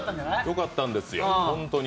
よかったんですよ、本当に。